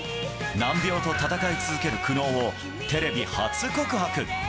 難病と闘い続ける苦悩を、テレビ初告白。